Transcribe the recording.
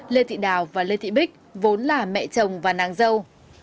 lê thị đào và lê thị bích vốn là mẹ chồng và nàng dâu